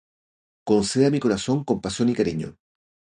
Concede a mi corazón compasión y cariño.